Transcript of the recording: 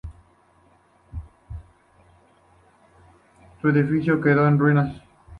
El edificio quedó en ruinas.